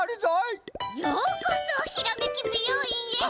ようこそ「ひらめきびよういん」へ！